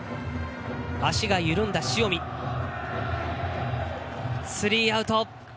足が緩んだ塩見、スリーアウト。